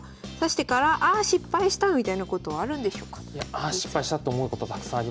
「ああ失敗した」と思うことたくさんありますね。